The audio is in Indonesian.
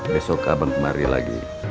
besok abang kemari lagi